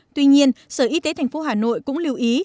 tuy nhiên sở y tế tp hà nội cũng lưu ý